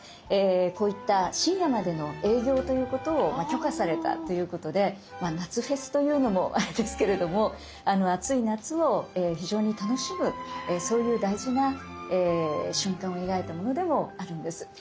こういった深夜までの営業ということを許可されたということで夏フェスというのもあれですけれども暑い夏を非常に楽しむそういう大事な瞬間を描いたものでもあるんです。